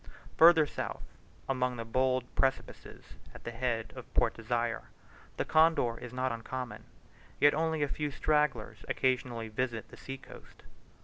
Further south, among the bold precipices at the head of Port Desire, the condor is not uncommon; yet only a few stragglers occasionally visit the sea coast.